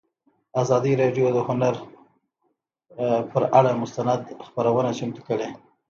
ازادي راډیو د هنر پر اړه مستند خپرونه چمتو کړې.